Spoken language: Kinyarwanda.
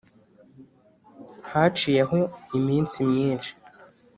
haciyeho iminsi myinshi,